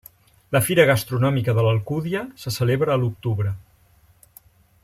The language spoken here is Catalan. La Fira Gastronòmica de l'Alcúdia se celebra a l'octubre.